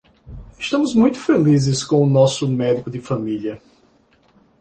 Estamos muito felizes com o nosso médico de família.